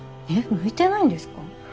えっ向いてないんですか？